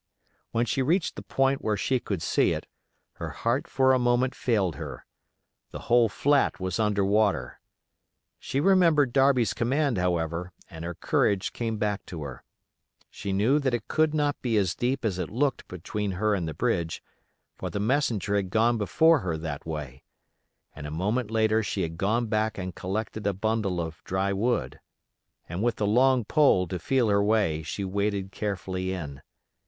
When she reached the point where she could see it, her heart for a moment failed her; the whole flat was under water. She remembered Darby's command, however, and her courage came back to her. She knew that it could not be as deep as it looked between her and the bridge, for the messenger had gone before her that way, and a moment later she had gone back and collected a bundle of "dry wood", and with a long pole to feel her way she waded carefully in.